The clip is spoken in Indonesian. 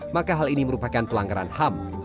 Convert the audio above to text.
maka hal ini merupakan pelanggaran ham